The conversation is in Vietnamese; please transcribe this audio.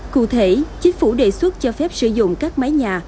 cụ thể chính phủ đề xuất cho phép sử dụng các máy nhà